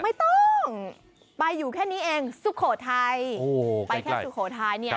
ไม่ต้องไปอยู่แค่นี้เองสุโขทัยไปแค่สุโขทัยเนี่ย